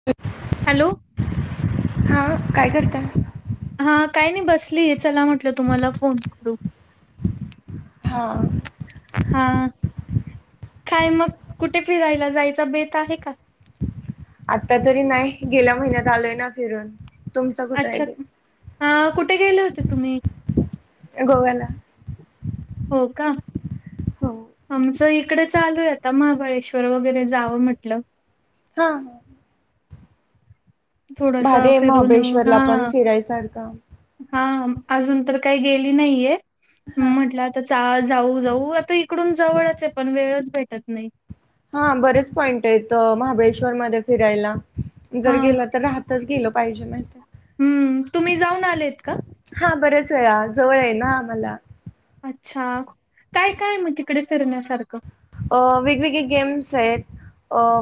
[unintelligible] Hello हा काय करत हा काय नाही बसली चला म्हटलं तुम्हाला फोन करू हां हा काय मग कुठे फिरायला जायच बेत आहे का आत्ता तरी नाही गेल्या महिन्यात आलोय ना फिरून तुमचं कुठं आहे अच्छा बे कुठे गेले होते तुम्ही गोव्याला हो काम हो इकडे चालू आहे आता महाबळेश्वर वगैरे जावं म्हटलं हा हा थोडासा भारी आहे फिरून येऊ हा महाबळेश्वरला पण फिरायसारखं हा अजून तर काही गेली नाहीये हा म्हटलंता जा जाऊ जाऊ आता इकडून जवळच आहे पण वेळच भेटत नाही हा बरेच पॉईंट आहेत महाबळेश्वर मध्ये फिरायला हा जर गेलं तर राहतच गेलं पाहिजे माहि हम्म तुम्ही जाऊन आलेत का हा बरेच वेळा जवळ आहे ना आमला अच्छा काय काय मग तिकडे फिरण्यासारखं अ वेगवेगळे गेम्स आहेत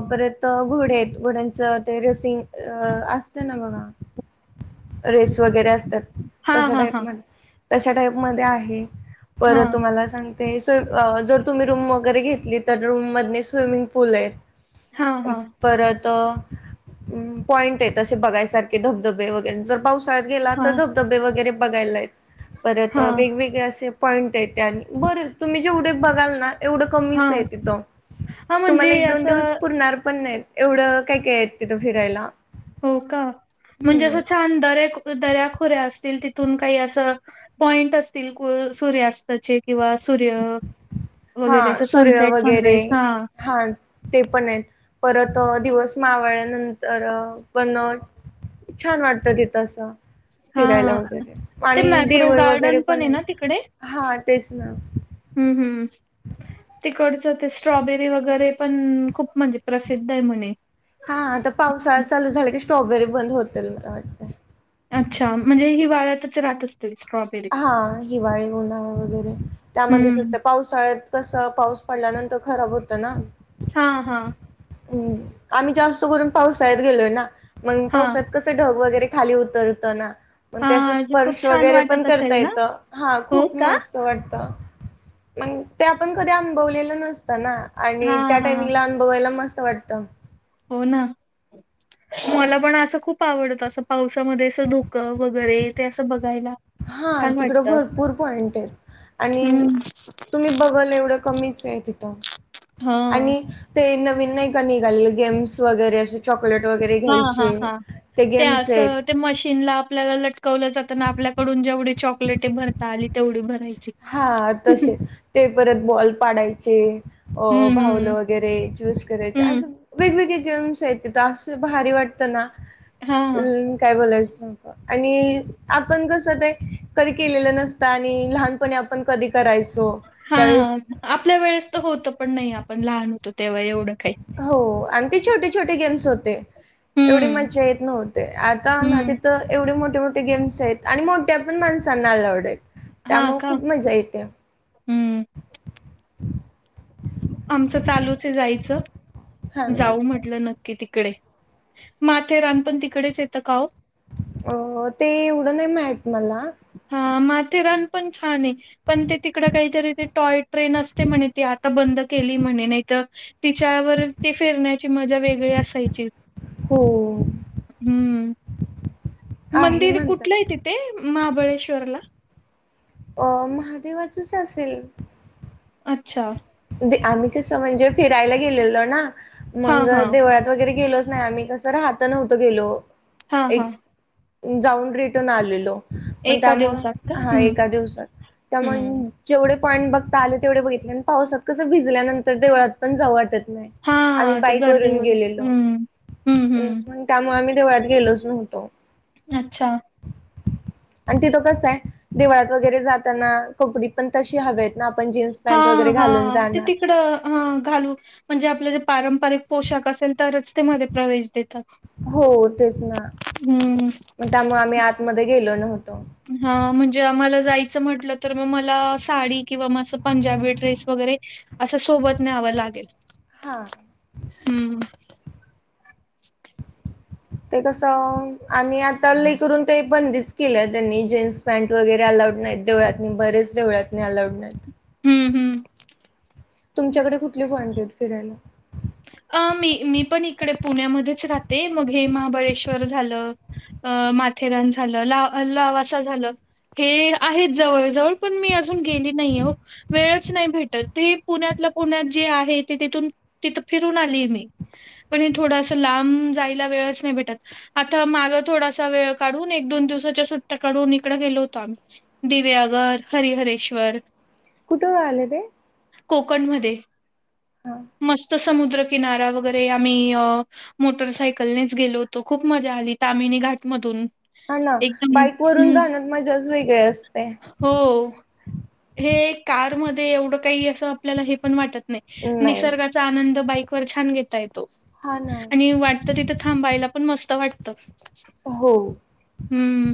बत घोड आहेत घोड्यांचं ते रेसिंग अ असते ना बघा वगर असा हा हा हा तशा टाईप म आहे हा परत तुम्हाला सांग ते स् जर तुम्ही रूम वगैरे घेतली तर रूम मध स्विमिंग पूल हा आहेत हा परत पॉइंट आहे ते बघायसारखे धबधबे वगर जर पावसाळ्यात गेला हा तर धबधबे वगैरे बघायलाय परत हा वेगवेगळे असे पॉईंट आहे त्या आणि बरे तुम्ही जेवढे बघाल ना एवढं कमीच आहेत हा तिथ हा म्हणजे तुम्हाला एक दोन दिवस असं पुरणार पण नाही एवढं काय काय येत तिथं फिरायला हो का म्हणजे हम्म. असं छान दरक दर्याखोऱ्या असतील तिथून काही असं पॉइंट असतील क सूर्य अस त्याचे किंवा सूर्य वगैरे अस हा सूर्य सनसेट वगैरे सनराईज हा हा ते पण आहेत परत दिवस मावळ्यानंतर पण छान वाटत तथ असं हा फिरायला वगैरे ते आणि मॅप्रो देवळ वगैरे गार्डन पण आहे ना आहेत तिकडे हा तेच ना हम हम् तिकडचं ते स्ट्रॉबेरी वगैरे पण खूप म्हणजे प्रसिद्ध आहे म्हणे हा आता पावसाळ चालू झाला की स्ट्रॉबेरी बंद होतील मला वाटते अच्छा म्हणजे ही वाऱ्यातच रात असते स्ट्रॉबेरी हा हिवाळी उन्हाळा वगैरे त्यामध्येच हम्म असतं पावसाळ्यात कसं पाऊस पडल्यानंतर खराब होतं ना हा हा ् आम्ही जास्त करून पावसाळ्यात गेलोय ना मग हा पावसा्याात कस ढग वगैरे खाली उतरत ना मग त्याचा हां, जी खूप स्पर्श छान वगैरे पण वाटत करता असेल ना? येतं हा हो खूप का? मस्त वाटत मग ते आपण कधी अनभवलेलं नसतं ना आणि त्या हां, हां. टाइमिंगला अनभवायला मस्त वाटत हो ना मला पण असं खूप आवडत असं पावसामध्ये अस धोकं वगैरे ते असं बघायला हा छान तिकडं वाटतं. भरपूर पॉइंट आहे आणि हं. तुम्ही बघल एवढं कमीच आहे तिथं हां. आणि ते नवीन नाही का निघालले गेम्स वगैरे असे चॉकलेट वगैरे हां, घ्यायचे हां, हां. ते गेम्स आहेत ते मशीनला आपल्याला लटकवलं जात आपल्याकडून जेवढी चॉकलेटे भरता आली तेवढी भरायची हा हं, तसे ते परत बॉल पाडायचे अ भावलं हं. वगैरे चूस करायचे असे हं. वेगवेगळे गेम्स आहेत त असं भारी वाटते ना हां, काय बोलायचं आणि आपण कस कधी केलेलं नसत आणि लहानपणी पण कधी करायचो त्यावेळेस हां. आपल्या वेळेस तर होतं पण नाही आपण लहान होतो तेव्हा एवढं काही हो आणि ते छोटे छोटे गेम्स होते एवढी हं. मजजा येत नव्हते आता ना हं. तिथं एवढी मोठे गेम्स आहेत आणि मोठ्या पण माणसांना आलवड आहेत त्यामुळे खूप मजा येते हम्म आमचं चालूच आहे जायचं हां. जाऊ म्हटलं न की तिकडे माथेरान पण तिकडेच येतं काव अ ते एवढं नाही माहत मला हा माथेरान पण छान आहे पण ते तिकड काहीतरी ते टॉय ट्रेन असते म्हणे ती आता बंद केली म्हणे नाही तर तिच्यावर ती फिरण्याची मजा वेगळी असायची हो हम्म आहे मंदिर म्हणतात. कुठलं आहे तिथे महाबळेश्वरला अ महादेवाचच असेल अच्छा आम्ही कसं म्हणजे फिरायला गेलेलो ना हा, मग हा. देवळात वगैरे गेलोच नाही आम्ही कसं रहात नव्हतं गेलो हा, हा. एक जाऊन रिटर्न आलेलो मण एका त्यामु दिवसात का? हा हं, एका दिवसात त्यामुळे हं. जेवढे पॉइन्ट बघता आले तेवढे बघितले आणि पावसात कसं भिजल्यानंतर देवळात पण जाऊ वाटत आम्ही हां, ते बाईक गर्दी वरून वगैरे. गेलेलो हं. हं, हं. त्यामुळे आम्ही देवळात गेलोच नव्हतो अच्छा आणि तिथं कस आहे दिवाळात वगैरे जाताना कोकणी पण तशी हवेत ना आपण जीन्स हा पॅन्ट वगैरे हा घालून ते जाणार तिकडं अ घालू म्हणजे आपलं जे पारंपरिक पोशाख असेल तरच तेमध्येध्ये प्रवेश देतात हो तेच ना हम्म. मग त्यामुळे आम्ही आतमध्ये गेलो नव्हतो हा म्हणजे आम्हाला जायचं म्हटलं तर मग मला साडी किंवा म असं पंजाबी ड्रेस वगैरे असं सोबत न्यावं लागेल हा हम्म, ते कस आणि आता अल्लीई करून ते पण दिस केल्या त्यांनी जीन्स पॅन्ट वगैरे अलाउड नाहीत देवळाततनी बरेच देवळ्यातनी अलाऊड नाहीत हम्म, हम्म. तुमच्याकडे कुठली वॉन्टेड फिरायला अ मी मी पण इकडे पुण्यामध्येच राहते मग हे महाबळेश्वर झालं अ माथेरान झालं ला लावा असं झालं हे आहेत जवळजवळ पण मी अजून गेली नाही हो वेळच नाही भेटत ते पुण्यातलं पुण्यात जे आहे ते तिथून तिथं फिरून आली मी पण हे थोडंसं लांब जायला वेळच नाही भेटत आता मागं थोडासा वेळ काढून एक दोन दिवसाच्या सुट्ट्या काढून इकडं गेलो होतो आम्ही दिव्याघर हरीिहरेश्वर कुठु आले ते कोकणमध्ये हां. मस्त समुद्रकिनारा वगैरे आम्ही अ मोटरसायकलनेच गेलो होतो खूप मजा आली तामिनी घाटमधून हा ना एकदम बाईक वरून हं, जाण्यात मजाच वेगळे असते. हो. हे कारमध्ये एवढं काही असं आपल्याला हे पण वाटत नाही निसर्गाच आनंद बाईक वर छान घेता येतो हा ना आणि वा. ता तिथं थांबायला पण मस्त वाटतं. हो. हम्म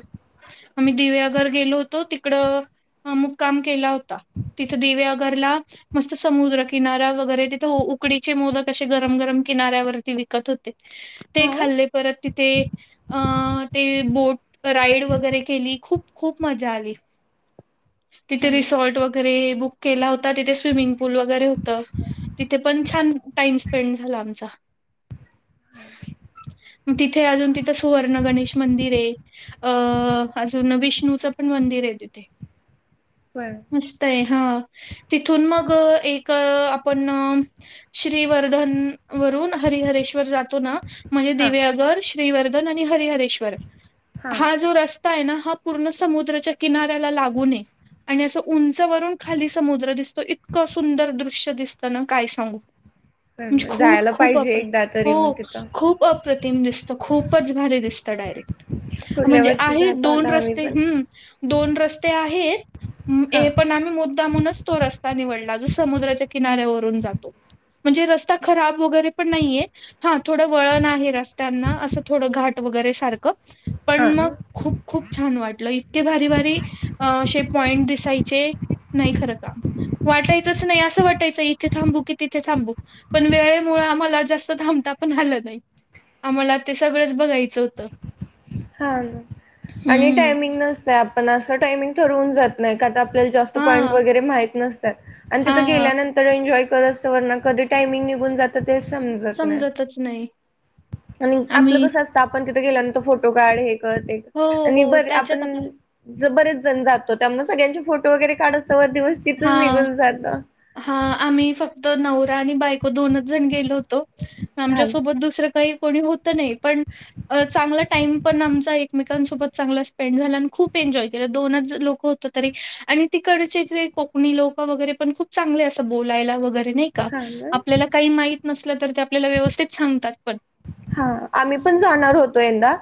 आम्ही दिव्याघर गेलो होतो तिकडं अमुक काम केला होता. तिथे दिवेगरला मस्त समुद्रकिनारा वगैरे तिथे उकडीचे मोदक असे गरम गरम किनाऱ्यावरती विकत होते ते हा खाल्ले हा परत तिथे अ ते बोट राईड वगैरे केली खूप खूप मजा आली. तिथे ना रिसॉर्ट वगैरे बु केला होता तिथे स्विमिंग पूल वगैरे होत तिथे छ. हा तिथे अजून तिथं सुवर्ण गणेश मंदिर आहे. अं अजून विष्णूचं पण मंदिर आहे तिथे बरं. मस्त आहे हा तिथून मग एक आपण श्रीवर्धन वरून हरिहरेश्वर जातो ना म्हणजे हा दिवगर श्रीवर्धन आणि हरिहरेश्वर हा जो रस्ता ना हा पूर्ण समुद्राच्या किनाऱ्याला लागू नय. आणि असं उंच वून खाली समुद्र दिसत. तो इतकं सुंदर दृश्य दिसताना काय सांगू म्हणजे खूप जायला खूप पाहिजे अप एकदा तरी हो मग तिथं खूप अप्रतिम दिसत. खूपच भले दिसत डायरेक्ट पुढल्या म्हणजे वर्षी आहे जातो दोन होता आम्ही रस्ते पण ह. दोन रस्ते हा आहेत पण आम्ही मो दामूनच तो रस्ता निवडला जो समुद्राच्या किनाऱ्यावरून जातो. म्हणजे रस्ता खराब वगैरे पण नाहीये. हा थोडं वळण आहे रस्त्यांना असं थोडं घाट वगैरे सारख. पण हा मग ना खूप खूप छान वाटलं इतके भारी भारी असे पॉइंट दिसायचे नाही खरं का? वाटायच नाही अस वाटयचं इथे थांब. की तिथे थांबू पण वेळेमुळे आ मला जास्त थांबता पण आलं नाही. आम्हाला ते सगळंच बघायचं होतं. हा आणि हम्म टायमिंग नसत आपण असं टायमिंग ठरवून जात नाही का? ल्या जास्त पॉईंट हा. वगैरे माह नतात आणि तिथं हां, गेल्यानंतर एन्जॉय करत. कधी टामंग निघून जात. ते समजत नाही समजतच नाही. आणि आपलं आम्ही कसं? आपण तिथं गेल्यानंतर फोटो काढ हे कर हो, आणि हो. बर त्याच्यात आपलं आपण ज बरेच जण जातो त्यामुळे सगळ्यांचे फोटो वगैरे काढत व दिवस तिथच निघून जातं. हा आम्ही फक्त नवरा आणि बायको दोनच जण गेलो होतो. हा आमच्यासोबत दुसरं काही कोणी होत नाही पण चांगला टाइम पण आमचा एकमेकांसोबत चांगला स्पेंड झाला आणि खूप एन्जॉय केलं दोनच लोक होत. तरी आणि तिकडचे जे कोकणी लोक वगैरे पण खूप चांगले असं बोलायला वगैरे नाही का हा ना आपल्याला काही माहीत नसलं तर ते आपल्याला व्यवस्थित सांगतात पण हा आम्ही पण जाणार होतो एकदा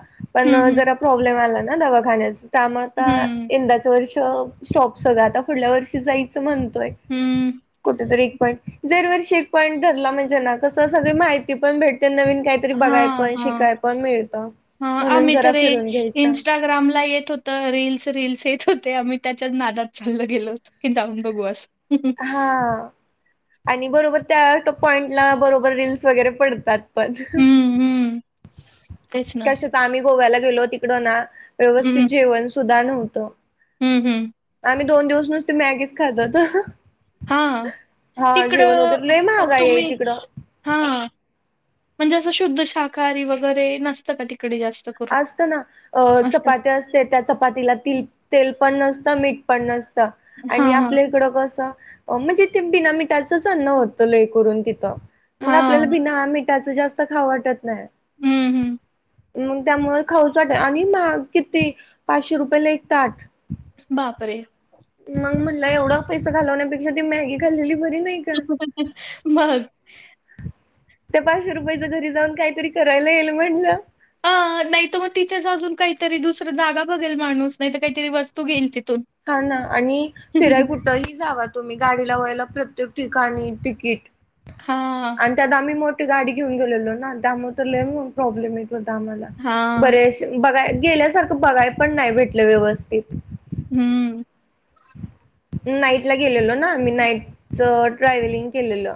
हं, पण हं. जरा प्रॉब्लेम आला ना दवाखानण्याचा. त्या मग आता हं, यंदाचं वर्ष स्टॉप सगं आता पुुढल्या वर्षी जायचं म्हणतोय. हं. कुठेतरी एक पॉईंट दरवर्षी एक पॉईंट धरला म्हणजे ना कसं सगळ माहिती पण भेटते नवीन काही तरी बघाय हां, पण हां. शिकाय पण मिळत म्हणून जरा फिरून घ्यायच ग्राम ला येत हो तर रीलस रीलस येत होते आम्ही त्याच्याच नादात चाललं गेलो होत की जाऊन बघू अस हा आणि बरोबर त्या टोप पॉइंटला बरोबर रीलस वगैरे पडतात. पण हम्म. कशच आम्ही गोव्याला गेलो तिकडं ना व्यवस्थित जेवण सुद्धा नव्हतं. हम्म हम्. आम्ही दोन दिवस नुसती मॅगीच खातात हां, हा जेवण वगैरेु लय महागा आहे तिकडं. हा म्हणजे असं शुद्ध शाकाहारी वगैरे नसतं का तिकडे जास्त करून? असत ना अ असतं चपट्या असते त्या चपातीला त तेल पण नसतं मीठ पण नसत आणि हां, हां. आपल्या इकडं कस म्हणजे ते बिनामीठाचंच अन्न होतं लय करून तिथं मग आपल्याला हां. बिनाठ. त्याच जास्त खा वाटत नाही. हम्म हम्. मग त्यामु खाऊसाट आणि मा किती पाचशे रुपये ला एक ताट बापरे. मग म्हणला एवढा पैसा घालवण्यापेक्षा ती मॅगी घालेली बरी नाही. का बघ. त्या पाचशे रुपयाच घरी जाऊन काहीतरी करायला येईल म्हटलं. अ नाही तर मग तिथेच अजून काहीतरी दुसर जागा बघेल माणूस नाही तर काहीतरी वस्तू घेईल तिथून. हा ना आणि फिराय कुठेही जावा तुम्ही गाडीला व्हायला प्रत्येक ठिकाणी तिकीट हां, आणि त्या आ आम्ही मोठी गाडी घेऊन गेलेलो ना त्यामुळे तर ल प्रॉब्लेम य आम्हाला हां. बरे बघाय गेल्यासारखं बघाय पण नाही भेटलं व्यवस्थित हम्. नाईटला गेलेलो ना आम्ही नाईट ट्रॅवलिंग केलेलं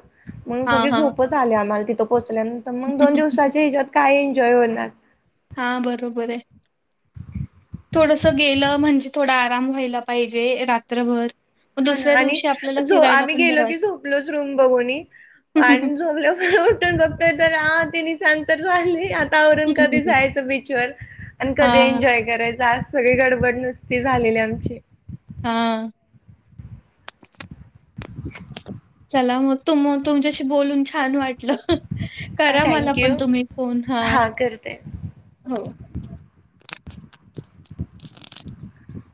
म्हणून हां, सग हां. झोप. आले आम्हाला तिथं पोचल्यानंतर मग दोन दिवसाच्या हिच्यात काय एन्जॉय होणार. हा बरोबर आहे. थोडस गेलं म्हणजे थोडा आराम व्हायला पाहिजे रात्रभर मग हा ना दुसऱ्या आणि दिवशी आपल्याला जो फिरायला आम्ही पण गेलो बरं की झोपलोच रूम बघूनणी वाटतं. आणि झोमलं उठून बघतोय तर आ ते निसांत चाले. न कधी जायचं पिकचर आणि कधी हां, एन्जॉय गरज आज सगळे गडबड नुसती झालेली आमची हा [inaudible] चला मग तु मग तुमच्याशी बोलून छान वाट. हा करा मला थँक्यू पण तुम्ही फोन हा हो. [unintelligible]